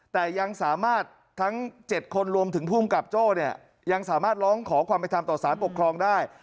แต่ยังสามารถทั้ง๗คนรวมถึงภูมิกับโจ้เนี่ยยังสามารถร้องขอความเป็นธรรมต่อสารปกครองได้